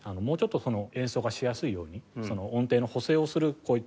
もうちょっと演奏がしやすいように音程の補正をする。